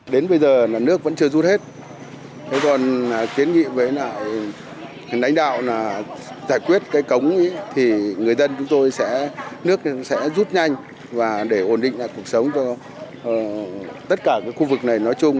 đến bây giờ là nước vẫn chưa rút hết thế còn kiến nghị với lại đánh đạo là giải quyết cái cống thì người dân chúng tôi sẽ nước sẽ rút nhanh và để ổn định lại cuộc sống cho tất cả cái khu vực này nói chung